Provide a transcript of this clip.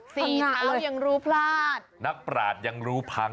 สีขาวยังรู้พลาดนักปราศยังรู้พัง